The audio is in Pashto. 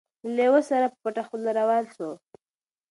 له لېوه سره په پټه خوله روان سو